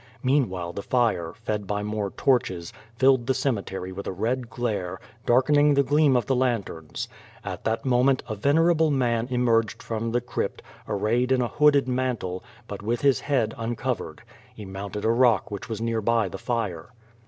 Meanwhile the fire, fed by more torches, filled the cemetery with a red glare, darkening the gleam of the lan terns. At that moment a venerable man emerged from the crypt, arrayed in a hooded mantle, but with his head uncov ered. He mounted a rock which was nearby the fire.